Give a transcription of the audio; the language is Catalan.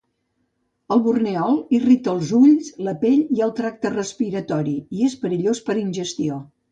El borneol irrita ulls, la pell i el tracte respiratori i és perillós per ingestió.